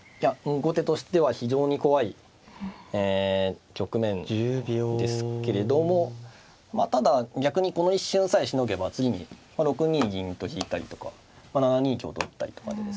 後手としては非常に怖い局面ですけれどもまあただ逆にこの一瞬さえしのげば次に６二銀と引いたりとか７二香と打ったりとかでですね。